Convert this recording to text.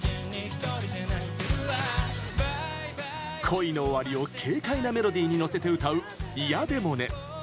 恋の終わりを軽快なメロディーに乗せて歌う「嫌でもね」。